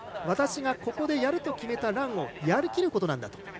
私がここでやると決めたランをやりきることなんだと。